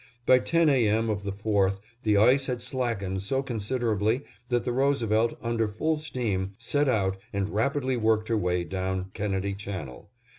By ten A. M. of the 4th, the ice had slackened so considerably that the Roosevelt, under full steam, set out and rapidly worked her way down Kennedy Channel.